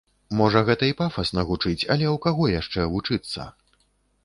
Можа, гэта і пафасна гучыць, але ў каго яшчэ вучыцца?